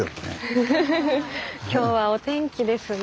今日はお天気ですね。